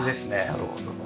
なるほど。